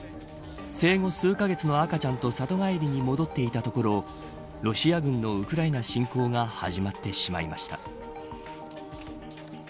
生後数カ月の赤ちゃんと里帰りに戻っていたところロシア軍のウクライナ侵攻が始まってしまいました。